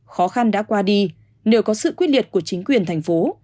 khó khăn đã qua đi nhờ có sự quyết liệt của chính quyền thành phố